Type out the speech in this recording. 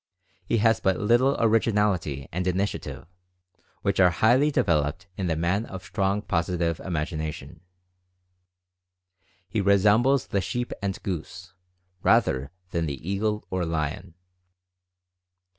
He has but little Originality and Initiative, which are highly developed in the man of strong Positive Imagination. He resembles the sheep and goose, rather than the eagle or lion.